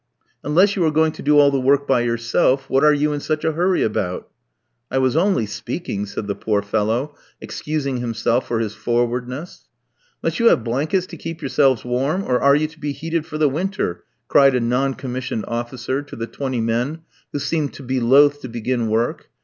"Unless you are going to do all the work by yourself, what are you in such a hurry about?" "I was only speaking," said the poor fellow, excusing himself for his forwardness. "Must you have blankets to keep yourselves warm, or are you to be heated for the winter?" cried a non commissioned officer to the twenty men who seemed to loathe to begin work.